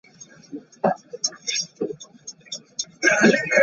They also run a by-admission-only summer writers' workshop held at Reed College.